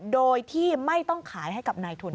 โดยที่ไม่ต้องขายให้กับนายทุน